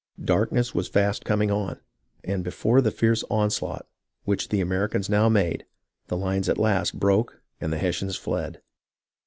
Darkness was fast coming on, and before the fierce onslaught which the Americans now made the lines at last broke and the Hessians fled.